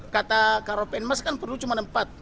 kata karopenmas kan perlu cuma empat